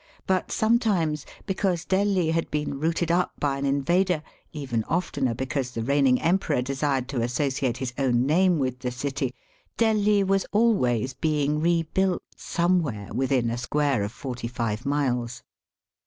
But, sometimes because Delhi had been rooted up by an invader, even oftener because the reigning emperor desired to associate his own name with the city, Delhi was always being rebuilt somewhere within a square of forty five miles.